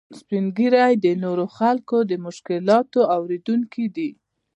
سپین ږیری د نورو خلکو د مشکلاتو اورېدونکي دي